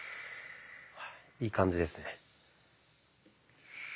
いい感じですね。